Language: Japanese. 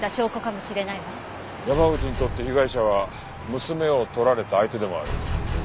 山口にとって被害者は娘を取られた相手でもある。